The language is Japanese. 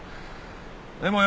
でもよ